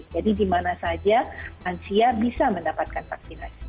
jadi dimana saja lansia bisa mendapatkan vaksinasi